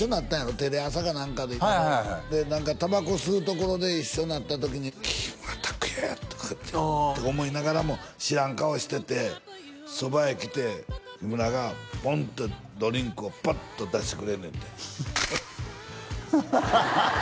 テレ朝か何かではいはいはい何かタバコ吸うところで一緒になった時に「キムタクや」とかって思いながらも知らん顔しててそばへ来て木村がポンッてドリンクをパッと出してくれんねんてハハハハッ！